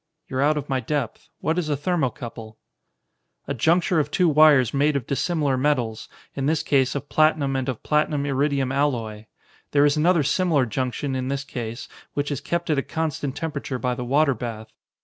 "You're out of my depth. What is a thermocouple?" "A juncture of two wires made of dissimilar metals, in this case of platinum and of platinum iridium alloy. There is another similar junction in this case, which is kept at a constant temperature by the water bath.